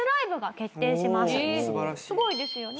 すごいですよね。